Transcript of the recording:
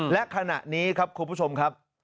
และขณะนี้ครับคุณผู้ชมครับ